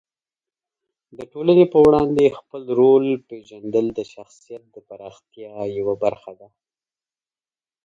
د ټولنې په وړاندې خپل رول پېژندل د شخصیت د پراختیا یوه برخه ده.